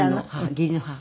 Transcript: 義理の母。